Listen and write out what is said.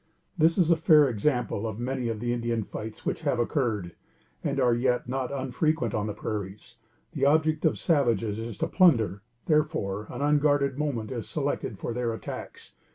This is a fair sample of many of the Indian fights which have occurred, and are yet not unfrequent, on the prairies; the object of the savages is to plunder; therefore, an unguarded moment is selected for their attacks.